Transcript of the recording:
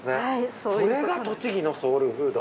それが栃木のソウルフード？